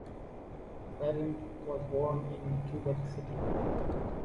Parent was born in Quebec City.